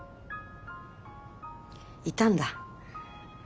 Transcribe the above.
いたんだ。